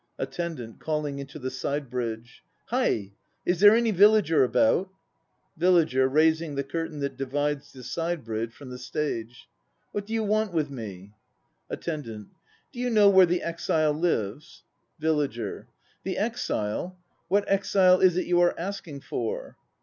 ATTENDANT (calling into the side bridge). Hie! Is there any villager about? VILLAGER (reusing the curtain that divides the side bridge from the stage). What do you want with me? ATTENDANT. Do you know where the exile lives? VILLAGER. The exile? What exile is it you are asking for?